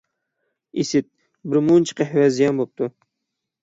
ئىسىت، بىر مۇنچە قەھۋە زىيان بوپتۇ.